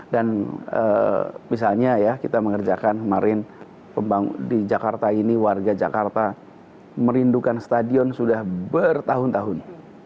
dan misalnya ya kita mengerjakan kemarin di jakarta ini warga jakarta merindukan stadion sudah bertahun tahun